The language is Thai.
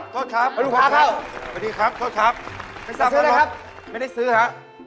โทษครับโทษครับสวัสดีครับโทษครับไม่ได้ซื้อครับไม่ได้ซื้อครับ